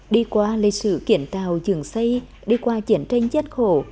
đi qua lịch sử kiển tàu dường xây đi qua chiến tranh chết khổ